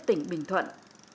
tỉnh bình thuận